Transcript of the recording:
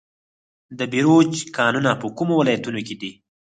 د بیروج کانونه په کومو ولایتونو کې دي؟